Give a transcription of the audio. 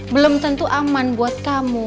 belum tentu aman buat kamu